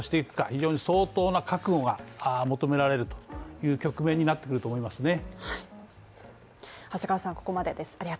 非常に、相当な覚悟が求められるという局面になってくると思いますね。